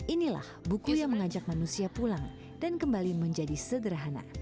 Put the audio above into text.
inilah buku yang mengajak manusia pulang dan kembali menjadi sederhana